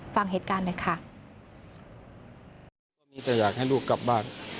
ฟังเหตุการณ์ด้วยค่ะจะอยากให้ลูกกลับบ้าน